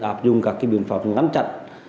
áp dụng các cái biện pháp ngắn chặn